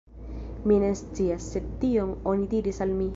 Mi ne scias, sed tion oni diris al mi.